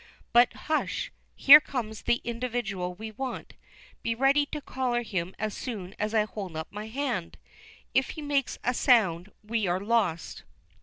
But hush, here comes the individual we want. Be ready to collar him as soon as I hold up my hand. If he makes a sound we are lost."